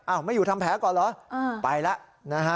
ไม่อยู่ทำแผลก่อนเหรอไปแล้วนะฮะ